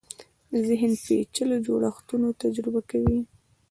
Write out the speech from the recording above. ذهن پېچلو جوړښتونو تجزیه نه کاوه